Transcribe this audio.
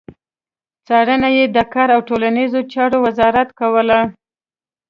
څارنه يې د کار او ټولنيزو چارو وزارت کوله.